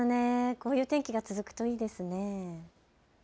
こういう天気が続くといいですね。